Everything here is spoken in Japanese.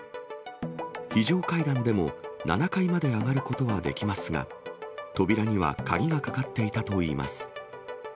非常階段でも７階まで上がることはできますが、扉には鍵がかかっていたといいます。